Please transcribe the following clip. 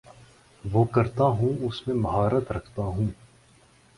وہ کرتا ہوں اس میں مہارت رکھتا ہوں